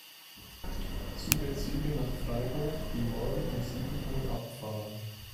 Suche Züge nach Freiburg, die morgen um sieben Uhr abfahren.